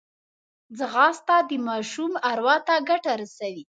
ځغاسته د ماشوم اروا ته ګټه رسوي